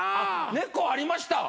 「猫」ありました！